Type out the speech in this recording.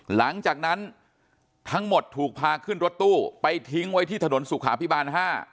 หลังจากนั้นทั้งหมดถูกพาขึ้นรถตู้ไปทิ้งไว้ที่ถนนสุขาพิบาล๕